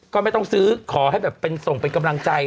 ก็ไม่ต้องซื้อขอจะส่งเป็นกำลังใจ